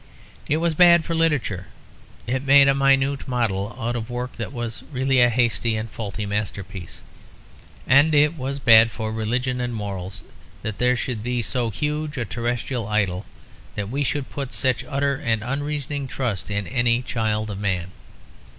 It was bad for literature; it made a minute model out of work that was really a hasty and faulty masterpiece. And it was bad for religion and morals that there should be so huge a terrestrial idol, that we should put such utter and unreasoning trust in any child of man.